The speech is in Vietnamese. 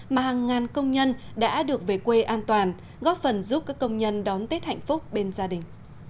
mà hàng ngàn công nhân đã được về quê an toàn góp phần giúp các công nhân đón tết hạnh phúc bên gia đình